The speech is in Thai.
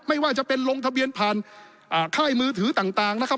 ไม่ว่าจะเป็นลงทะเบียนผ่านค่ายมือถือต่างนะครับ